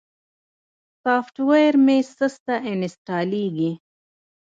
سافټویر مې سسته انستالېږي.